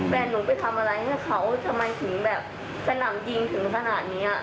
แฟนหนูไปทำอะไรให้เขาทำไมถึงแบบสนั่นยิงถึงขนาดนี้